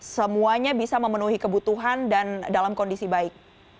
semuanya bisa memenuhi kebutuhan dan dalam kondisi baik